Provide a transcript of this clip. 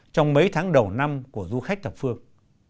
trong mấy tháng đầu năm của du khách thập phương